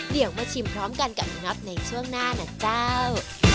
เดี๋ยวมาชิมพร้อมกันกับลุงน็อตในช่วงหน้านะเจ้า